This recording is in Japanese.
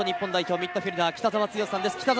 ミッドフィルダー・北澤豪さんです。